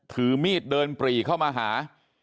ถือมีดเดินปรีเข้ามาหา